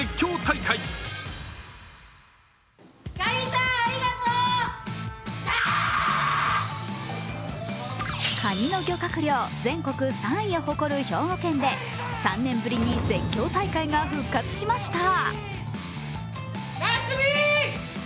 かにの漁獲量全国３位を誇る兵庫県で３年ぶりに絶叫大会が復活しました